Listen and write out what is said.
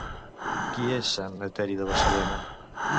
Qui és Sant Eteri de Barcelona?